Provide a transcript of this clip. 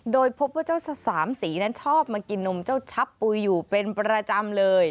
โดยพบว่าเจ้าสามสีนั้นชอบมากินนมเจ้าชับปุ๋ยอยู่เป็นประจำเลย